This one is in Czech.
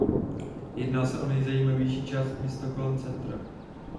Jedná se o nejzajímavější část města kolem centra.